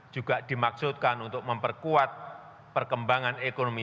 juga dimaksudkan untuk memperkuat perkembangan ekonomi